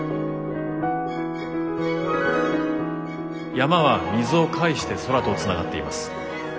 山は水を介して空とつながっています。